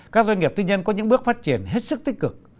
các doanh nghiệp tư nhân có những bước phát triển hết sức tích cực